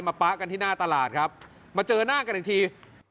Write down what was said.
ป๊ะกันที่หน้าตลาดครับมาเจอหน้ากันอีกที